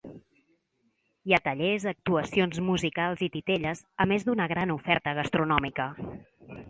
Hi ha tallers, actuacions musicals i titelles, a més d’una gran oferta gastronòmica.